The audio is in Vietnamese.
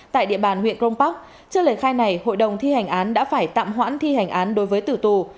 tại địa bàn huyện crong park trước lời khai này hội đồng thi hành án đã phải tạm hoãn thi hành án đối với tử tù